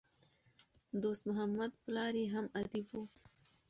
دوست محمد پلار ئې هم ادیب وو.